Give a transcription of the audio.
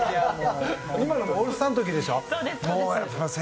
今のオールスターの時でしょう？